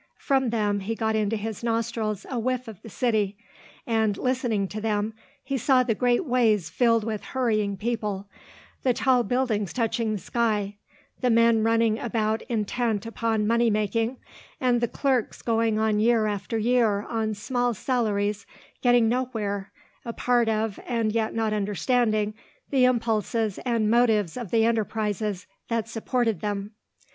From them, he got into his nostrils a whiff of the city and, listening to them, he saw the great ways filled with hurrying people, the tall buildings touching the sky, the men running about intent upon money making, and the clerks going on year after year on small salaries getting nowhere, a part of, and yet not understanding, the impulses and motives of the enterprises that supported them.